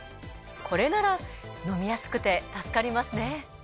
これなら飲みやすくて助かりますね。